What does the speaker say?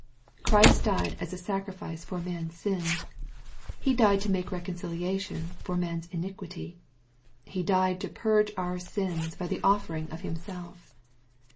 Christ died as a sacrifice for man's sin. He died to make reconciliation for man's iniquity. He died to purge our sins by the offering of Himself.